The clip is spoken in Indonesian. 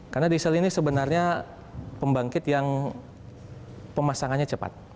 karena diesel ini sebenarnya pembangkit yang pemasangannya cepat